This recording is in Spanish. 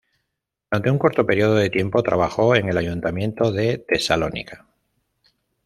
Durante un corto periodo de tiempo trabajó en el Ayuntamiento de Tesalónica.